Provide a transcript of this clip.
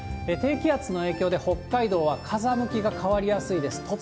低気圧の影響で北海道は風向きが変わりやすいです。